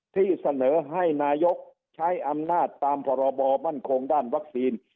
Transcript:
ที่เสนอให้นายกใช้อำนาจตามพรบมั่นคงด้านวัคซีน